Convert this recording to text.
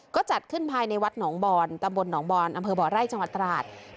ก็จัดขึ้นภายในวัดหนองบอนตำบลหนองบอนอำเภอบ่อไร่จังหวัดตราด